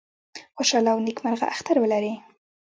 خوشاله او نیکمرغه اختر ولرئ